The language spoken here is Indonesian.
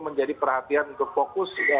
menjadi perhatian ke fokus